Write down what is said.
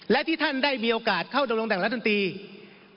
และที่ท่านได้มีโอกาสเข้าดำลงตำแหน่งระดับรัฐธรรมดี